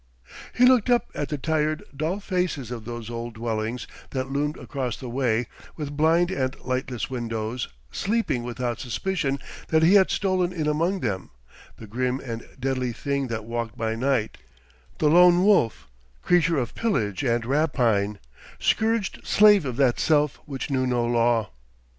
He looked up at the tired, dull faces of those old dwellings that loomed across the way with blind and lightless windows, sleeping without suspicion that he had stolen in among them the grim and deadly thing that walked by night, the Lone Wolf, creature of pillage and rapine, scourged slave of that Self which knew no law....